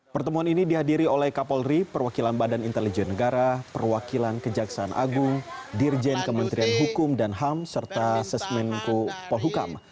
pertemuan ini dihadiri oleh kapolri perwakilan badan intelijen negara perwakilan kejaksaan agung dirjen kementerian hukum dan ham serta sesmenko polhukam